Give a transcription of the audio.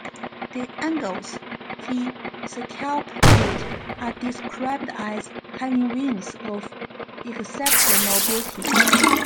The angels he sculpted are described as having wings of "exceptional beauty".